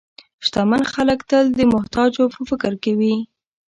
شتمن خلک تل د محتاجو په فکر کې وي.